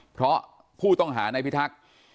เพราะผู้ต้องหาในพิทักษ์